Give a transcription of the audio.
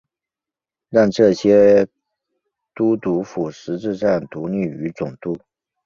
让这些都督府实质上独立于总督。